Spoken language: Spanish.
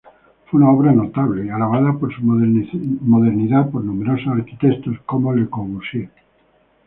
Fue una obra notable, alabada por su modernidad por numerosos arquitectos como Le Corbusier.